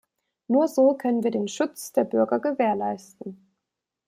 Nur so können wir den Schutz der Bürger gewährleisten.